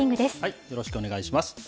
続いては、よろしくお願いします。